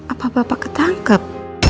apa bapak ketangkep